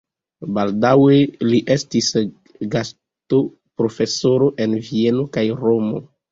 Baldaŭe li estis gastoprofesoro en Vieno kaj Romo.